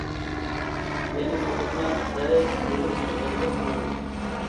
يەنى بۇ خىزمەت، دەرس، يېزىغا چىقىپ تەشۋىقات قىلىدىغان ئىش.